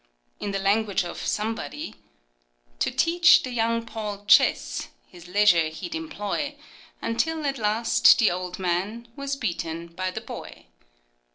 In the language of somebody, "To teach the young Paul chess, His leisure he'd employ; Until, at last, the old man Was beaten by the boy."